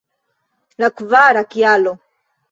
La kvara kialo!